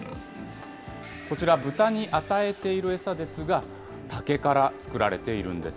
こちら、豚に与えている餌ですが、竹から作られているんです。